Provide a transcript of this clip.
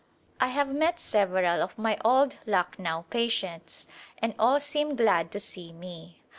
I have met several of my old Lucknow patients and all seem glad to see me.